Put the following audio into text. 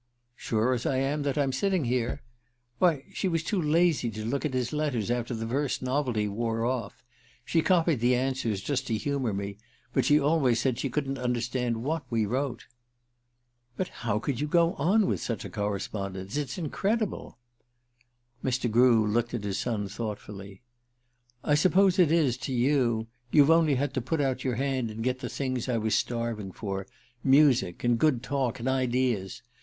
"Sure as I am that I'm sitting here. Why, she was too lazy to look at his letters after the first novelty wore off. She copied the answers just to humor me but she always said she couldn't understand what we wrote." "But how could you go on with such a correspondence? It's incredible!" Mr. Grew looked at his son thoughtfully. "I suppose it is, to you. You've only had to put out your hand and get the things I was starving for music, and good talk, and ideas.